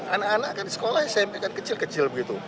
anak anak kan di sekolah smp kan kecil kecil begitu